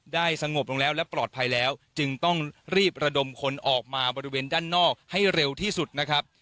สงบลงแล้วและปลอดภัยแล้วจึงต้องรีบระดมคนออกมาบริเวณด้านนอกให้เร็วที่สุดนะครับ